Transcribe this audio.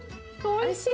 おいしい？